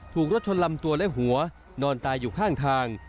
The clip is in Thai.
ถูกรถชนลำตัวและหัวนอนตายอยู่ข้างทาง